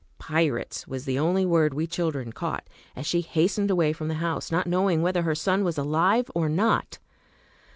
"Pirates" was the only word we children caught, as she hastened away from the house, not knowing whether her son was alive or not.